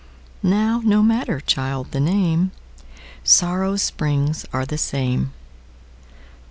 Now no matter, child, the name:Sórrow's spríngs áre the same.